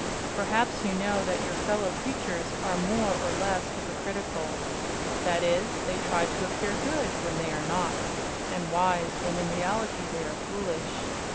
Perhaps you know that your fellow creatures are more or less hypocritical. That is, they try to appear good when they are not, and wise when in reality they are foolish.